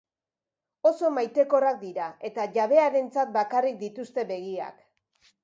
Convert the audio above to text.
Oso maitekorrak dira eta jabearentzat bakarrik dituzte begiak.